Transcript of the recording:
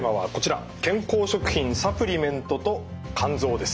健康食品・サプリメントと肝臓です。